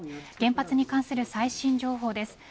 原発に関する最新情報です。